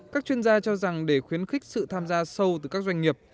các chuyên gia cho rằng để khuyến khích sự tham gia sâu từ các doanh nghiệp